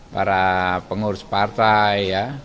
para pengurus partai ya